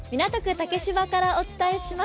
竹芝からお伝えします。